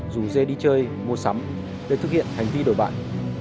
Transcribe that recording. để đi chơi mua sắm để thực hiện hành vi đổi bạn